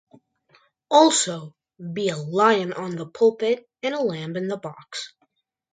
Also: "Be a lion on the pulpit and a lamb in the box".